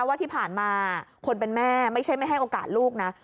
ว่าที่ผ่านมาคนเป็นแม่ไม่ใช่ไม่ให้โอกาสลูกนะ